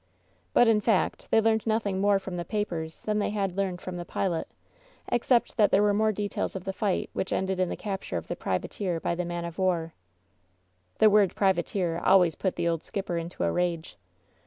But, in fact, they learned nothing more from the pa pers than they had learned from the pilot, except that there were more details of the fight which ended in the capture of the privateer by the man of war. This word "privateer'' always put the old skipper into a rage.